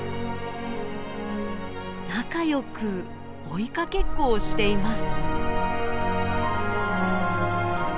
仲良く追いかけっこをしています。